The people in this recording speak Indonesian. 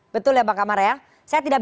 betul ya bang kamhar ya